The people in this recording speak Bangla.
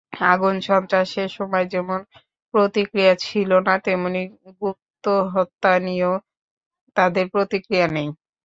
আগুন-সন্ত্রাসের সময় যেমন প্রতিক্রিয়া ছিল না, তেমনি গুপ্তহত্যা নিয়েও তাদের প্রতিক্রিয়া নেই।